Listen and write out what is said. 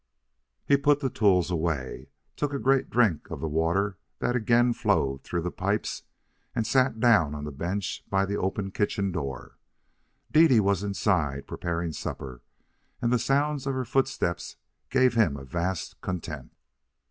He put the tools away, took a great drink of the water that again flowed through the pipes, and sat down on the bench by the open kitchen door. Dede was inside, preparing supper, and the sound of her footsteps gave him a vast content.